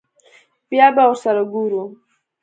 بيا به ورسره گورو.